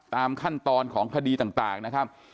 ตามขั้นตอนของคดีต่างนะครับ